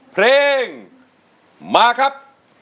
เพลงมาครับ